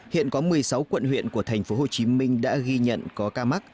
hiện có một mươi sáu quận huyện của tp hcm đã ghi nhận có ca mắc